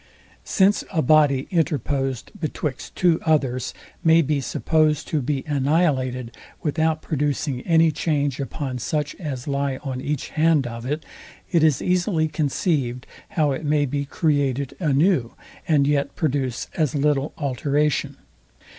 Since a body interposed betwixt two others may be supposed to be annihilated, without producing any change upon such as lie on each hand of it, it is easily conceived, how it may be created anew, and yet produce as little alteration.